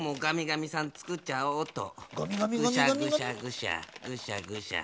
ぐしゃぐしゃぐしゃぐしゃぐしゃ。